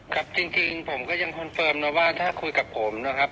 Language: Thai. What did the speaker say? ครับจริงผมก็ยังคอนเฟิร์มนะว่าถ้าคุยกับผมนะครับ